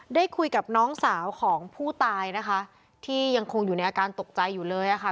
ได้คุยกับน้องสาวของผู้ตายนะคะที่ยังคงอยู่ในอาการตกใจอยู่เลยอะค่ะ